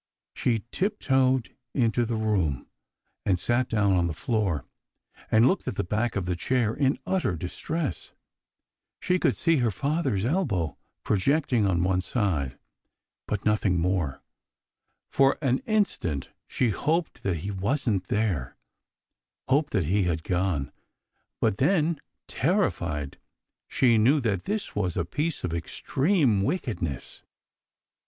She tiptoed into the room, and sat down on the floor, and looked at the back of the chair in utter distress. She could see her father's elbow projecting on one side, but AND WHO SHALL SAY ? 223 nothing more. For an instant she hoped that he wasn't there hoped that he had gone but then, terrified, she knew that this was a piece of extreme wickedness.